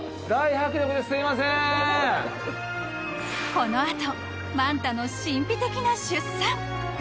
［この後マンタの神秘的な出産］